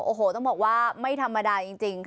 โอ้โหต้องบอกว่าไม่ธรรมดาจริง